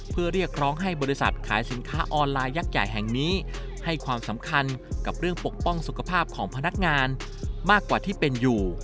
เพื่อเรียกร้องให้บริษัทขายสินค้าออนไลน์ยักษ์ใหญ่แห่งนี้ให้ความสำคัญกับเรื่องปกป้องสุขภาพของพนักงานมากกว่าที่เป็นอยู่